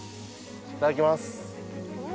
いただきます。